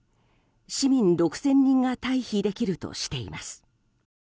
市民６０００人が退避できるとしています。